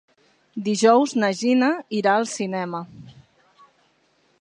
Dijous na Gina irà al cinema.